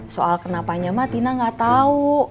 soal kenapanya mak tina nggak tahu